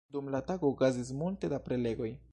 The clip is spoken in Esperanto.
Dum la tago okazis multe da prelegoj.